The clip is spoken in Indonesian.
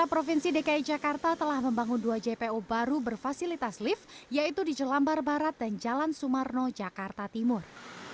provinsi dki jakarta telah membangun dua jpo baru berfasilitas lift yaitu di jelambar barat dan jalan sumarno jakarta timur